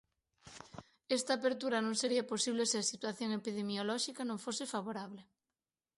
Esta apertura non sería posible se a situación epidemiolóxica non fose favorable.